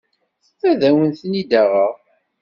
Ad awen-ten-id-aɣeɣ.